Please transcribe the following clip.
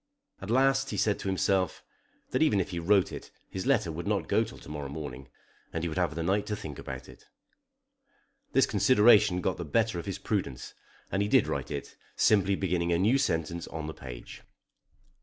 At last he said to himself that even if he wrote it his letter would not go till to morrow morning, and he would have the night to think about it. This consideration got the better of his prudence and he did write it, simply beginning a new sentence on the page.